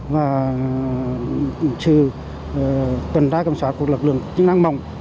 và trừ tuần đa cầm xóa của lực lượng chức năng mỏng